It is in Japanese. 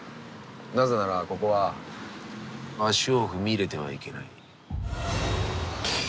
なぜならここは足を踏み入れてはいけない。